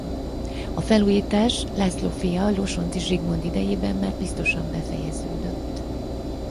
A felújítás László fia Losonczy Zsigmond idejében már biztosan befejeződött.